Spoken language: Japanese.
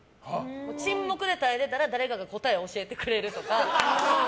沈黙で耐えれたら誰かが答えを教えてくれるとか。